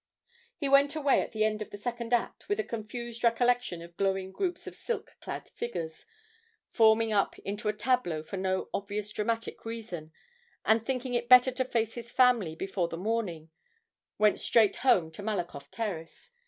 He went away at the end of the second act with a confused recollection of glowing groups of silk clad figures, forming up into a tableau for no obvious dramatic reason, and, thinking it better to face his family before the morning, went straight home to Malakoff Terrace.